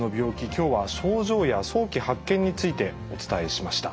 今日は症状や早期発見についてお伝えしました。